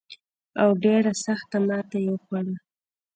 او ډېره سخته ماته یې وخوړه.